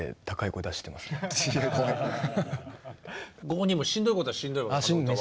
ご本人もしんどいことはしんどいわけですね。